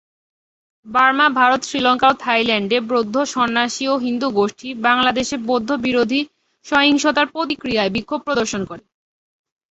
Burma, Bharat, Sri Lanka, ও থাইল্যান্ডে বৌদ্ধ সন্ন্যাসী ও হিন্দু গোষ্ঠী বাংলাদেশে বৌদ্ধ-বিরোধী সহিংসতার প্রতিক্রিয়ায় বিক্ষোভ প্রদর্শন করে।